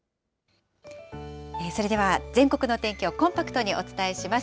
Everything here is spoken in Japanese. それでは全国の天気をコンパクトにお伝えします。